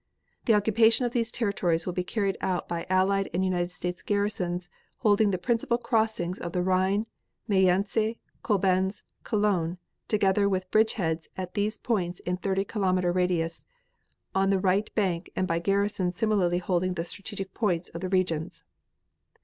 The occupation of these territories will be carried out by Allied and United States garrisons holding the principal crossings of the Rhine, Mayence, Coblenz, Cologne, together with bridgeheads at these points in thirty kilometer radius on the right bank and by garrisons similarly holding the strategic points of the regions.